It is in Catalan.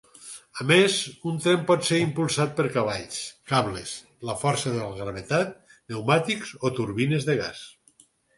A més, un tren pot ser impulsat per cavalls, cables, la força de la gravetat, pneumàtics o turbines de gas.